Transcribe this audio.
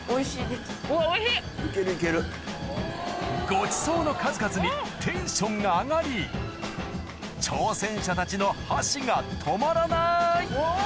ごちそうの数々にテンションが上がり挑戦者たちの箸が止まらないうわ！